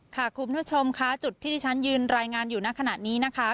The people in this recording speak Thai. คุณผู้ชมค่ะจุดที่ที่ฉันยืนรายงานอยู่ในขณะนี้นะคะ